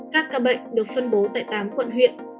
các ca bệnh được phân bố tại tám quận huyện